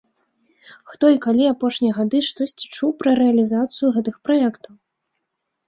Хто і калі апошнія гады штосьці чуў пра рэалізацыю гэтых праектаў?